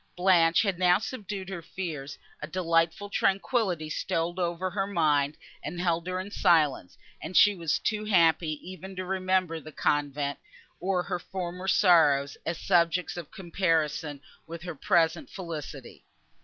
Blanche had now subdued her fears; a delightful tranquillity stole over her mind, and held her in silence; and she was too happy even to remember the convent, or her former sorrows, as subjects of comparison with her present felicity.